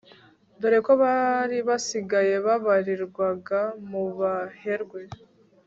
dore ko bari basigaye babarirwaga mubaherwe